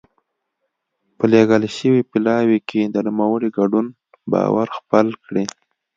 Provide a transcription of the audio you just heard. په لېږل شوي پلاوي کې د نوموړي ګډون باور خپل کړي.